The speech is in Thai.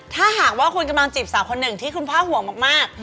ถ้าหากว่าคุณกำลังจีบสาวคนหนึ่งที่คุณพ่อห่วงมาก